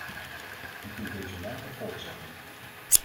U kunt deze later voortzetten.